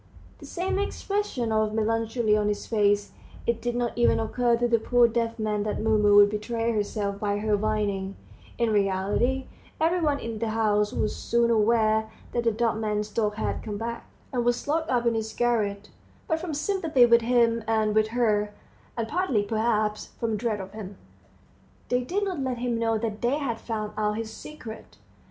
the same expression of melancholy on his face. It did not even occur to the poor deaf man that Mumu would betray herself by her whining; in reality, everyone in the house was soon aware that the dumb man's dog had come back, and was locked up in his garret, but from sympathy with him and with her, and partly, perhaps, from dread of him, they did not let him know that they had found out his secret.